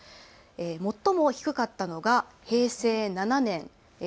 最も低かったのが平成７年。